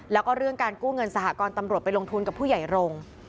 แล้วก็เรื่องการกู้เงินสหกรณ์ตำรวจไปลงทุนกับผู้ใหญ่รงค์